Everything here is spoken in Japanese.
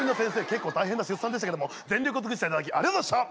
結構大変な出産でしたけども全力を尽くしていただきありがとうございました！